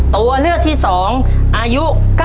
ตัวเลือกที่สองอายุ๙๖ปี๒เดือน๘วัน